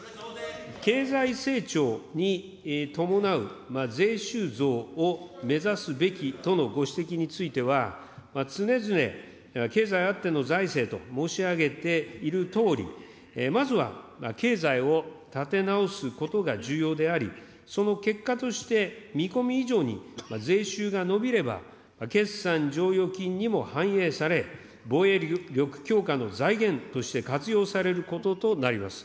経済成長に伴う税収増を目指すべきとのご指摘については、つねづね経済あっての財政と申し上げているとおり、まずは経済を立て直すことが重要であり、その結果として見込み以上に税収が伸びれば決算剰余金にも反映され、防衛力強化の財源として活用されることとなります。